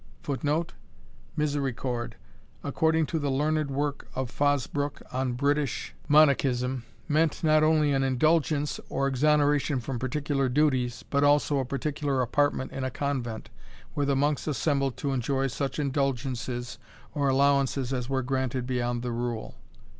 _" [Footnote: Misericord, according to the learned work of Fosbrooke on British Monachism, meant not only an indulgence, or exoneration from particular duties, but also a particular apartment in a convent, where the monks assembled to enjoy such indulgences or allowances as were granted beyond the rule.